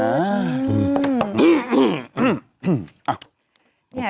อื้ออื้ออื้ออื้อ